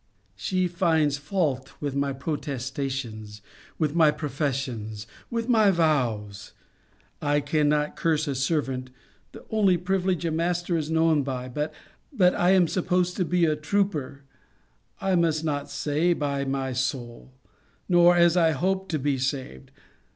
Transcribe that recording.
She finds fault with my protestations, with my professions, with my vows: I cannot curse a servant, the only privilege a master is known by, but I am supposed to be a trooper* I must not say, By my soul! nor, As I hope to be saved!